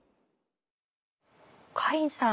カインさん